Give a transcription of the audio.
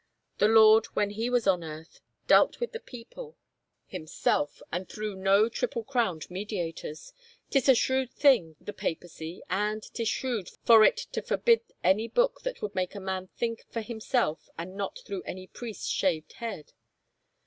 The Lord, when he was on earth, dealt with the people him self, and through no triple crowned mediators. 'Tis a shrewd thing, the Papacy, and 'tis shrewd for it to forbid any book that would make a man think for himself and not through any priest's shaved head."